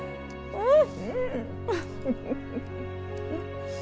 うん。